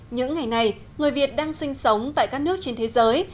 những ngày này người việt đang sinh sống tại các nước trên thế giới